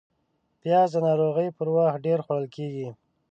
پیاز د ناروغۍ پر وخت ډېر خوړل کېږي